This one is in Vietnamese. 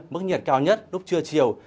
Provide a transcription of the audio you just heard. mức nhiệt cao nhất lúc trưa chiều